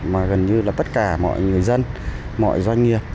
mà gần như là tất cả mọi người dân mọi doanh nghiệp